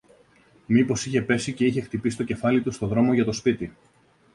Μήπως είχε πέσει κι είχε χτυπήσει το κεφάλι του στο δρόμο για το σπίτι